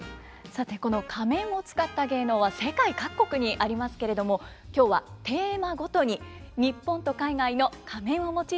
さてこの仮面を使った芸能は世界各国にありますけれども今日はテーマごとに日本と海外の仮面を用いた作品をご紹介します。